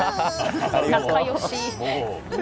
仲良し。